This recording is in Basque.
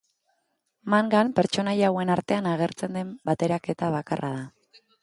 Mangan pertsonaia hauen artean agertzen den bateraketa bakarra da.